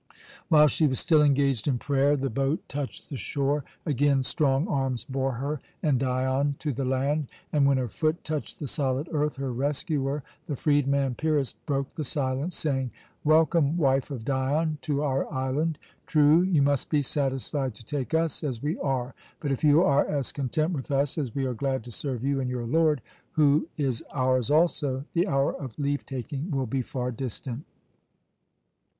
While she was still engaged in prayer the boat touched the shore. Again strong arms bore her and Dion to the land, and when her foot touched the solid earth, her rescuer, the freedman Pyrrhus, broke the silence, saying: "Welcome, wife of Dion, to our island! True, you must be satisfied to take us as we are. But if you are as content with us as we are glad to serve you and your lord, who is ours also, the hour of leave taking will be far distant."